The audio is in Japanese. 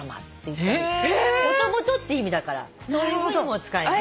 「もともと」って意味だからそういうふうにも使えます。